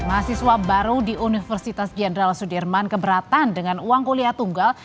mahasiswa baru di universitas jenderal sudirman keberatan dengan uang kuliah tunggal